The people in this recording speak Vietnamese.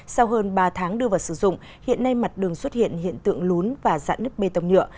sau hơn ba tháng đưa vào sử dụng hiện nay mặt đường xuất hiện hiện tượng lún và giãn nứt bê tông nhựa